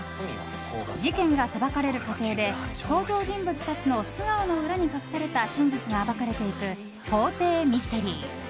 事件が裁かれる過程で登場人物たちの素顔の裏に隠された真実が暴かれていく法廷ミステリー。